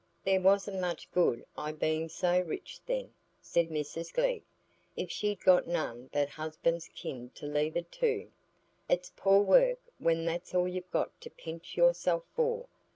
"There wasn't much good i' being so rich, then," said Mrs Glegg, "if she'd got none but husband's kin to leave it to. It's poor work when that's all you've got to pinch yourself for.